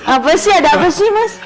apa sih ada apa sih mas